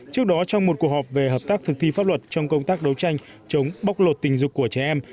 trước đó trong một cuộc họp về hợp tác thực thi pháp luật trong công tác đấu tranh chống bóc lột tình dục của trẻ em